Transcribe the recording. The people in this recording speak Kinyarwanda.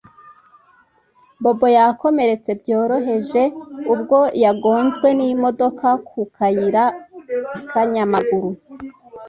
Bobo yakomeretse byoroheje ubwo yagonzwe nimodoka ku kayira kanyamaguru